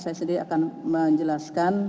saya sendiri akan menjelaskan